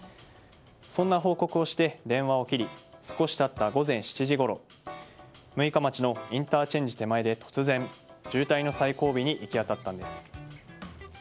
そんな報告をして電話を切り少し経った午前７時ごろ六日町のインターチェンジ手前で突然、渋滞の最後尾に行き当たったんです。